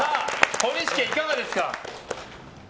小西家、いかがですか？